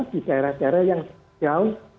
di daerah daerah yang jauh